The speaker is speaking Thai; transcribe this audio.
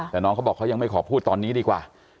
แต่น้องเขาบอกเขายังไม่ขอพูดตอนนี้ดีกว่า